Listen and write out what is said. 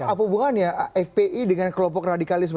apa hubungannya fpi dengan kelompok radikalisme